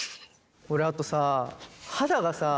俺あとさ肌がさ